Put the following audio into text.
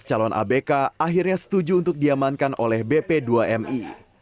tiga belas calon abk akhirnya setuju untuk diamankan oleh bp dua mi